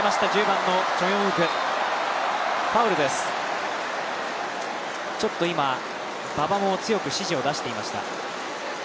ファウルです、ちょっと今、馬場も強く指示を出していました。